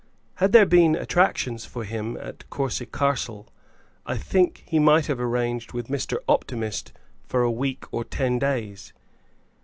Had there been attractions for him at Courcy Castle I think he might have arranged with Mr. Optimist for a week or ten days.